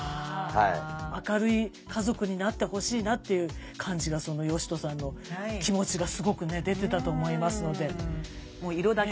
明るい家族になってほしいなっていう感じが嘉人さんの気持ちがすごくね出てたと思いますので。